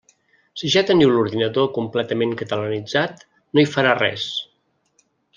Si ja teniu l'ordinador completament catalanitzat, no hi farà res.